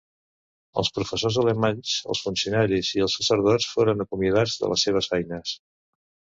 Els professors alemanys, els funcionaris i els sacerdots foren acomiadats de les seves feines.